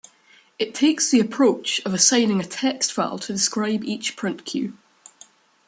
It takes the approach of assigning a text file to describe each print queue.